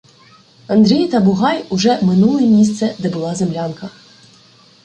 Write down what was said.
Андрій та Бугай уже минули місце, де була землянка.